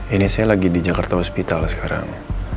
ini saya lagi di jakarta hospital sekarang